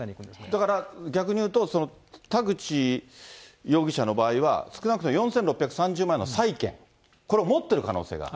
だから、逆に言うと、田口容疑者の場合は、少なくとも４６３０万の債権、これを持ってる可能性が。